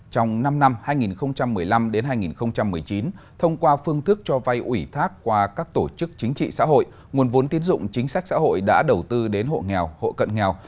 trong năm năm hai nghìn một mươi năm hai nghìn một mươi chín thông qua phương thức cho vay ủy thác qua các tổ chức chính trị xã hội nguồn vốn tiến dụng chính sách xã hội đã đầu tư đến hộ nghèo hộ cận nghèo